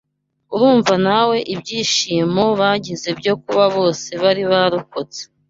Urumva nawe ibyishimo bagize byo kuba bose bari barokotse